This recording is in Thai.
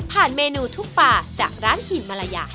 เมนูทุกป่าจากร้านหินมาลายา